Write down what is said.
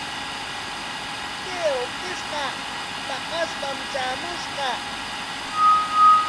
Kay awkishqa paqaspam traamushqa.